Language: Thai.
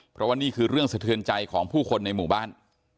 เพราะว่านี่คือเรื่องสะเทือนใจของผู้คนในหมู่บ้าน